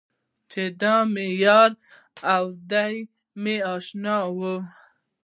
چې دی مې یار و، دی مې اشنا و.